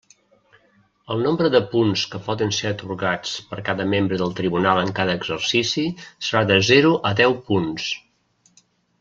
El nombre de punts que poden ser atorgats per cada membre del tribunal en cada exercici serà de zero a deu punts.